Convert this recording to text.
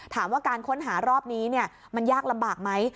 ถามว่าการค้นหารอบนี้มันยากลำบากไหม